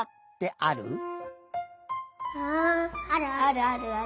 あるあるある。